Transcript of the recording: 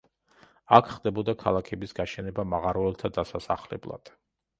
აქ ხდებოდა ქალაქების გაშენება მაღაროელთა დასასახლებლად.